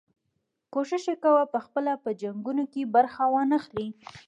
کوښښ یې کاوه پخپله په جنګونو کې برخه وانه خلي.